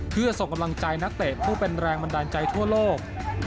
เพื่อส่งกำลังใจนักเตะผู้เป็นแรงบันดาลใจทั่วโลก